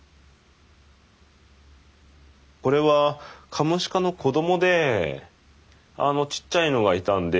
これはカモシカの子どもであのちっちゃいのがいたんで。